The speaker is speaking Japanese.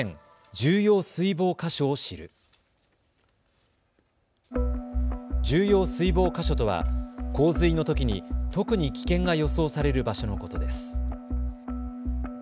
重要水防箇所とは洪水のときに特に危険が予想される場所のことです。